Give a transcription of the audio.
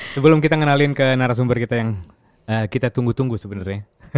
sebelum kita kenalin ke narasumber kita yang kita tunggu tunggu sebenarnya